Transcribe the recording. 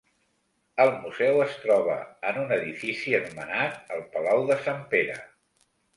El museu es troba en un edifici anomenat el Palau de Sant Pere.